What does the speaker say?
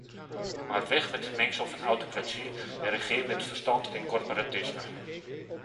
Maar weg met het mengsel van autocratie en regeer met verstand en corporatisme!